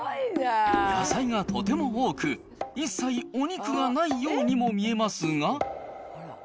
野菜がとても多く、一切、お肉がないようにも見えますが。